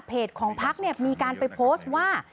เพจของพักมีการไปโพสต์ว่า